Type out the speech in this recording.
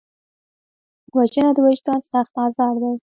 وژنه د وجدان سخت ازار دی